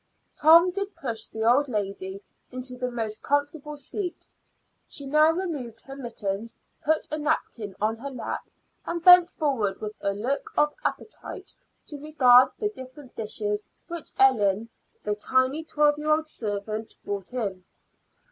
Tom did push the old lady into the most comfortable seat. She now removed her mittens, put a napkin on her lap, and bent forward with a look of appetite to regard the different dishes which Ellen, the tiny twelve year old servant, brought in.